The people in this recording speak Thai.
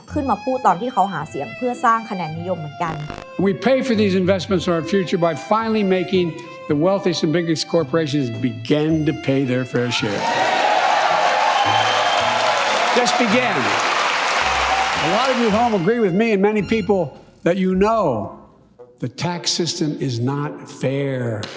ขึ้นมาพูดตอนที่เขาหาเสียงเพื่อสร้างคะแนนนิยมเหมือนกัน